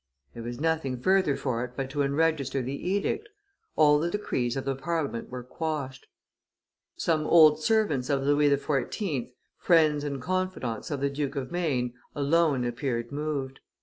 There was nothing further for it but to enregister the edict; all the decrees of the Parliament were quashed. Some old servants of Louis XIV., friends and confidants of the Duke of Maine, alone appeared moved.